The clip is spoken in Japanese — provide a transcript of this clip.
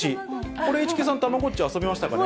これ、市來さん、たまごっち、遊びましたかね。